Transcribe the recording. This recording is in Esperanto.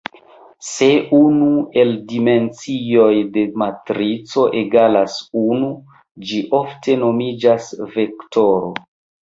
Se unu el dimensioj de matrico egalas unu, ĝi ofte nomiĝas vektoro.